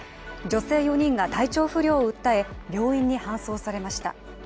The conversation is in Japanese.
女性４人が体調不良を訴え病院に搬送されました。